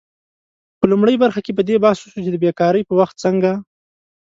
په لومړۍ برخه کې په دې بحث وشو چې د بیکارۍ په وخت څنګه